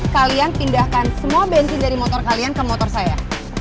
kalian pindahkan semua bensin dari motor kalian ke motor saya